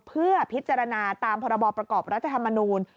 เพื่อพิจารณาตามพรบประกอบรัฐธรรมนูล